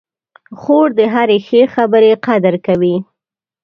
خور د هرې ښې خبرې قدر کوي.